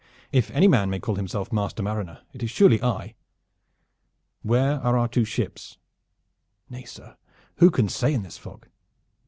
If any man may call himself master mariner, it is surely I." "Where are our two ships?" "Nay, sir, who can say in this fog?"